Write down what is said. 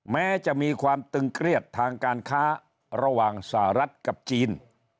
แม้จะมีความตึงเครียดทางการค้าระหว่างสหรัฐกับจีน